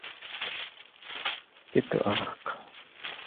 كدت اغرق